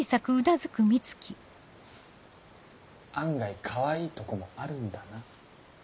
案外かわいいとこもあるんだな。